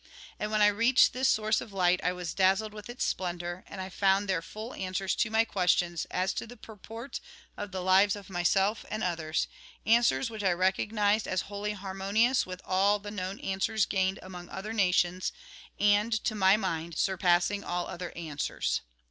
And when I reached tliis source of light I was dazzled with its splendour, and I found there full answers to my questions as to the purport of the lives of myself and others, — answers which I 10 THE GOSPEL IN BRIEF recognised as wholly harmonious with all the known answers gained among other nations, and, to my mind, surpassing all other answers.